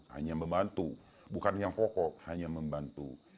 hanya membantu bukan yang pokok hanya membantu